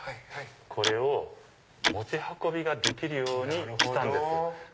これを持ち運びができるようにしたんです。